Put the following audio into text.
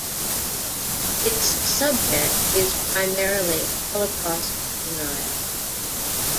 Its subject is primarily Holocaust denial.